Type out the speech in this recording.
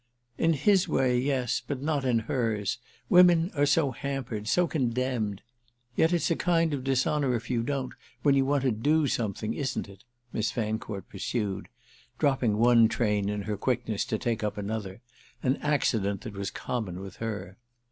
"In his way, yes—but not in hers. Women are so hampered—so condemned! Yet it's a kind of dishonour if you don't, when you want to do something, isn't it?" Miss Fancourt pursued, dropping one train in her quickness to take up another, an accident that was common with her.